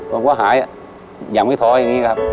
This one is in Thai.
ผมก็หายอย่างไม่ท้ออย่างนี้นะครับ